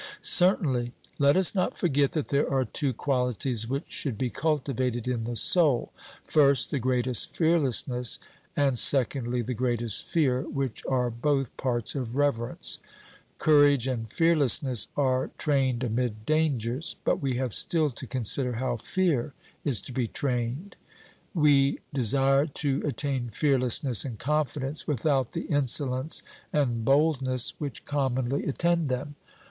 'Certainly.' Let us not forget that there are two qualities which should be cultivated in the soul first, the greatest fearlessness, and, secondly, the greatest fear, which are both parts of reverence. Courage and fearlessness are trained amid dangers; but we have still to consider how fear is to be trained. We desire to attain fearlessness and confidence without the insolence and boldness which commonly attend them.